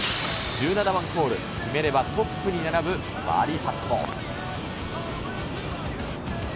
１７番ホール、決めればトップに並ぶバーディーパット。